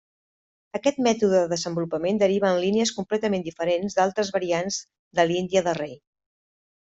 Aquest mètode de desenvolupament deriva en línies completament diferents d'altres variants de l'índia de rei.